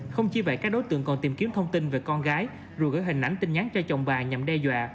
không chỉ vậy các đối tượng còn tìm kiếm thông tin về con gái rồi gửi hình ảnh tin nhắn cho chồng bà nhằm đe dọa